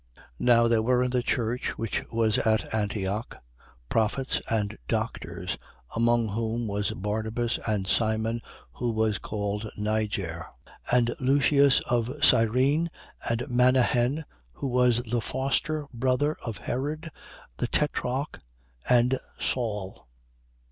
13:1. Now there were in the church which was at Antioch prophets and doctors, among whom was Barnabas and Simon who was called Niger, and Lucius of Cyrene and Manahen who was the foster brother of Herod the tetrarch, and Saul.